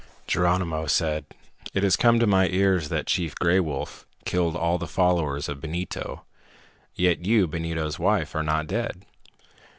Geronimo said, "It has come to my ears that Chief Gray Wolf killed all the followers of Benito. Yet you, Benito's wife, are not dead."